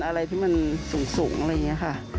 อะไรที่มันสูงอะไรอย่างนี้ค่ะ